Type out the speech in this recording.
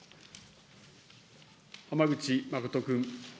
浜口誠君。